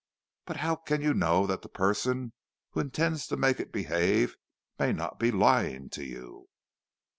"But how can you know that the person who intends to make it behave may not be lying to you?"